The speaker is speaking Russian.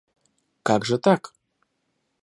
Как же так?